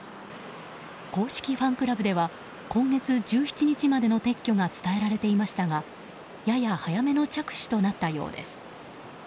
公式ファンクラブでは今月１７日までの撤去が伝えられていましたがやや早めの着手となったようです。